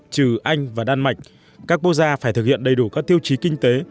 trừ anh và đan mạch các quốc gia phải thực hiện đầy đủ các tiêu chí kinh tế